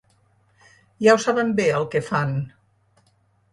Ja ho saben bé el que fan.